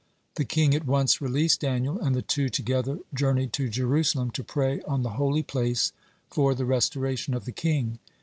The king at once released Daniel, and the two together journeyed to Jerusalem to pray on the holy place for the restoration of the king.